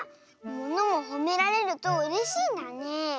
ものもほめられるとうれしいんだね。